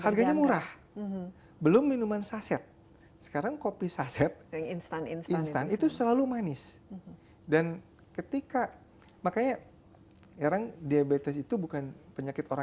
harganya murah belum minuman saset sekarang kopi saset yang instan instan itu selalu manis dan ketika